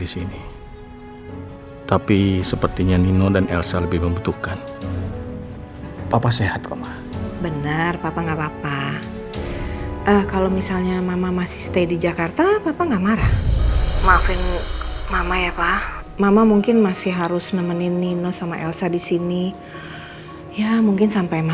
sampai jumpa di video selanjutnya